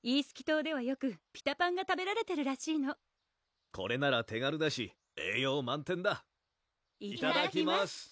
島ではよくピタパンが食べられてるらしいのこれなら手軽だし栄養満点だいただきます